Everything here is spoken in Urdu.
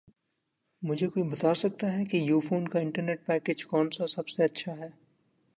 مجھے کوئی بتا سکتا ہے کہ یوفون کا انٹرنیٹ پیکج کون سا سب سے اچھا ہے